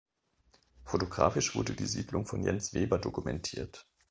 Fotografisch wurde die Siedlung von Jens Weber dokumentiert.